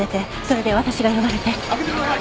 開けてください！